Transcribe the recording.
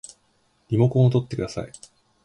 リモコンをとってください